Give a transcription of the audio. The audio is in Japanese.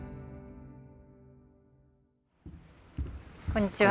こんにちは。